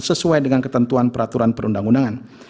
sesuai dengan ketentuan peraturan perundang undangan